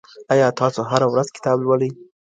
ایا تاسو هره ورځ کتاب لولئ؟